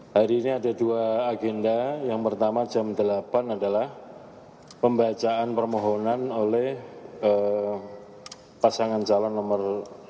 hari ini ada dua agenda yang pertama jam delapan adalah pembacaan permohonan oleh pasangan calon nomor dua